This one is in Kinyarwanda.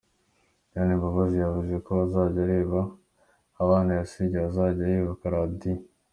Liliane Mbabazi yavuze ko uko azajya areba abana yasigiwe azajya yibuka Radio.